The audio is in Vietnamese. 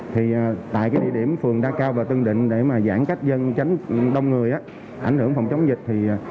vì tại địa điểm phường đa cao và tân định để giãn cách dân tránh đông người ảnh hưởng phòng chống dịch